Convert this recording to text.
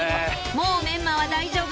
もうメンマは大丈夫